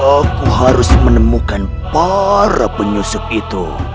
aku harus menemukan para penyusuk itu